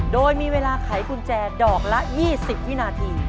โดยมีเวลาไขกุญแจดอกละ๒๐วินาที